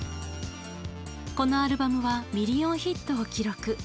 このアルバムはミリオンヒットを記録。